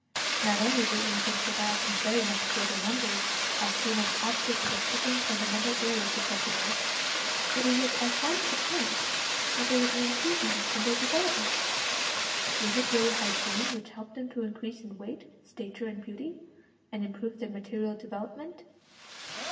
Not only did infants survive in very much greater numbers as soon as the obstacles of certain fundamental errors were swept away, but it was at once apparent that there was an improvement in their development. Was it really hygiene which helped them to increase in weight, stature, and beauty, and improved their material development?